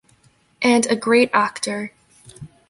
And a great actor.